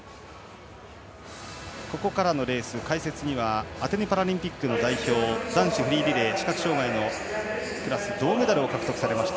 ここからのレース、解説にはアテネパラリンピックの代表男子フリーリレー視覚障がいのクラス銅メダルを獲得されました